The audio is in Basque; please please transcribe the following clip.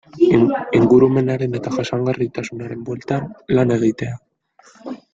Ingurumenaren eta jasangarritasunaren bueltan lan egitea.